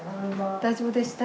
大丈夫でした？